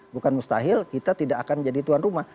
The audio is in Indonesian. bukan mustahil kita tidak akan jadi tuan rumah